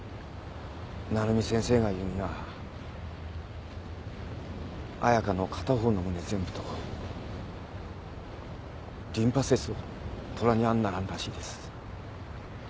鳴海先生が言うには彩佳の片方の胸全部とリンパ節を取らにゃならんらしいです。